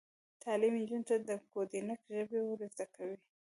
تعلیم نجونو ته د کوډینګ ژبې ور زده کوي.